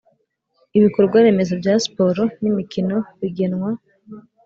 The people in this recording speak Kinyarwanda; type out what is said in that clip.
Ibikorwaremezo bya siporo n imikino bigenwa